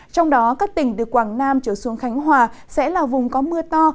trong đó các tỉnh từ quảng nam trở xuống khánh hòa sẽ là vùng có mưa to